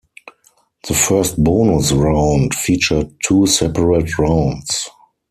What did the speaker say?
The first bonus round featured two separate rounds.